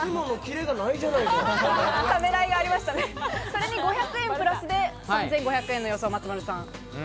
それに５００円プラスで、３５００円の予想、松丸さん。